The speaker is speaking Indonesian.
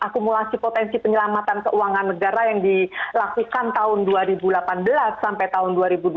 akumulasi potensi penyelamatan keuangan negara yang dilakukan tahun dua ribu delapan belas sampai tahun dua ribu dua puluh